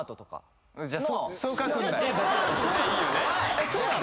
えっそうなの？